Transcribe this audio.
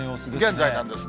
現在なんですね。